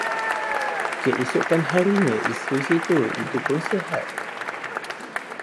Keesokan harinya isteri si tua itupun sihat.